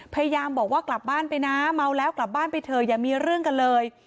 พยายามบอกว่ากลับบ้านไปนะเมาแล้วกลับบ้านไปเถอะอย่ามีเรื่องกันเลย